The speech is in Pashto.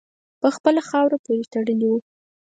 خپله خاوره پوري تړلی وو.